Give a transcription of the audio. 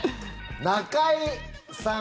中居さん